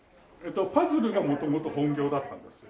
パズルが元々本業だったんですよ。